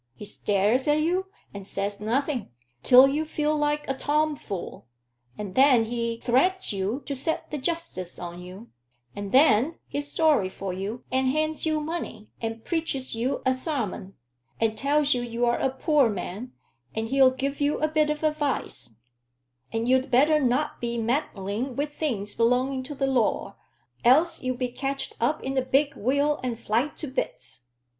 He stares at you, and says nothing, till you feel like a Tomfool; and then he threats you to set the justice on you; and then he's sorry for you, and hands you money, and preaches you a sarmint, and tells you you're a poor man, and he'll give you a bit of advice and you'd better not be meddling wi' things belonging to the law, else you be catched up in a big wheel and fly to bits.